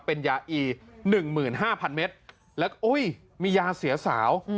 เป็นยาอี๑๕๐๐เมตรแล้วก็อุ้ยมียาเสียสาว